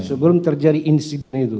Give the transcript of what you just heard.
sebelum terjadi insiden itu